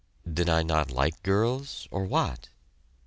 Did I not like girls? or what?